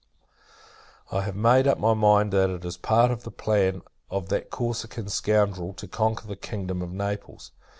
I have made up my mind, that it is part of the plan of that Corsican Scoundrel, to conquer the kingdom of Naples.